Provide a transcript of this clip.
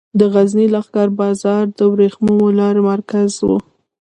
د غزني لښکر بازار د ورېښمو لارې مرکز و